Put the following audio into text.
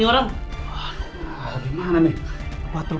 kalo ini tentang pembahayaku